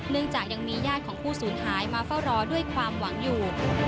จากยังมีญาติของผู้สูญหายมาเฝ้ารอด้วยความหวังอยู่